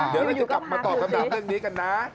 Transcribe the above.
เดี๋ยวเราจะกลับมาตอบคำถามเรื่องนี้กันนะ